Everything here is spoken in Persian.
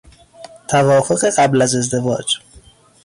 توافق قبل از ازدواج